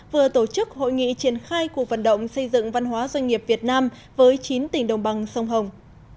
vừa tổ chức hội nghị triển khai cuộc vận động xây dựng văn hóa doanh nghiệp việt nam với chín tỉnh đồng bằng sông hồng